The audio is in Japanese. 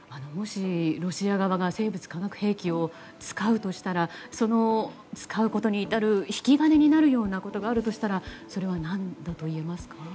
もし、ロシア側が生物・化学兵器を使うとしたら使うことに至る引き金になるようなことがあるとしたらそれは何だと言えますか？